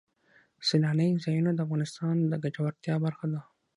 سیلانی ځایونه د افغانانو د ګټورتیا برخه ده.